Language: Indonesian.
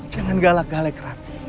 jangan galak galek rati